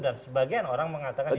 dan sebagian orang mengatakan